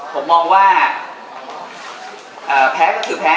ผมมองว่าแพ้ก็คือแพ้